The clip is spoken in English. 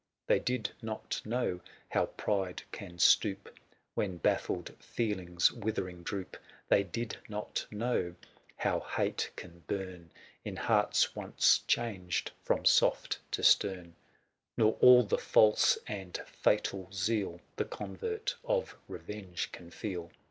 They did not know how pride can stoop, 275 When baffled feelings withering droop; They did not know how hate can burn In hearts once changed from soft to stern ; c 2 20 THE SIEGE OF CORINTH. Nor all the false and fatal zeal The convert of revenge can feel.